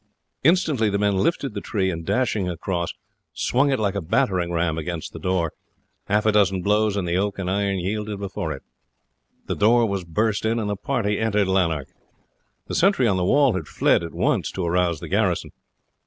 Instantly the men lifted the tree, and dashing across swung it like a battering ram against the door half a dozen blows, and the oak and iron yielded before it. The door was burst in and the party entered Lanark. The sentry on the wall had fled at once to arouse the garrison.